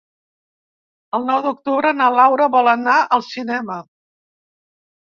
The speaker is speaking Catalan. El nou d'octubre na Laura vol anar al cinema.